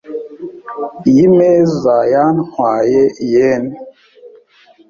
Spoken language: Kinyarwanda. Iyi meza yantwaye yen .